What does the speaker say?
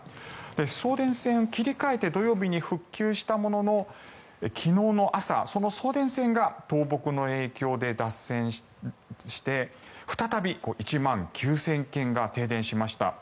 送電線を切り替えて土曜日に復旧したものの昨日の朝、その送電線が倒木の影響で脱線して再び１万９０００軒が停電しました。